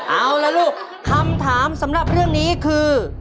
เอาละลูกคำถามสำหรับเรื่องนี้คือ